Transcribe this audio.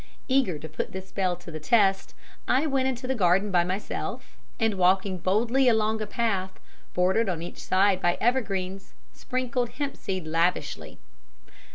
Eager to put this spell to the test, I went into the garden by myself and, walking boldly along a path, bordered on each side by evergreens, sprinkled hempseed lavishly.